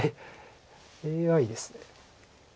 ＡＩですね。